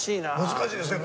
難しいですね。